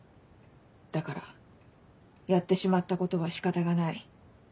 だからやってしまったことは仕方がない」。